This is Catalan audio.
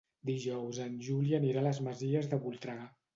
Dijous en Juli anirà a les Masies de Voltregà.